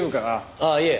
あっいえ。